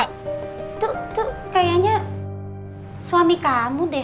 itu tuh kayaknya suami kamu deh